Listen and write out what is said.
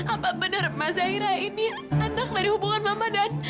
apa benar mas zaira ini anak dari hubungan mama dan